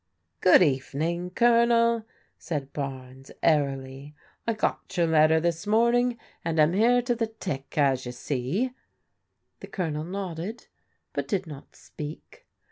" Good evening, Colonel," said Barnes, airily. " I got your letter this morning, and am here to the tick, as you »» 172 PRODIGAL DAUGHTEES The Colonel nodded, but did not speak.